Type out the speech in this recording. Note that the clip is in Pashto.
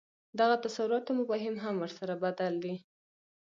دغه تصورات او مفاهیم هم ورسره بدل دي.